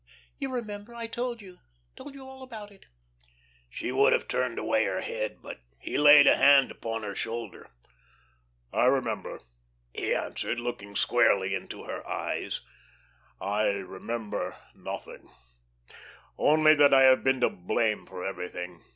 "You remember I told you told you all about it." She would have turned away her head, but he laid a hand upon her shoulder. "I remember," he answered, looking squarely into her eyes, "I remember nothing only that I have been to blame for everything.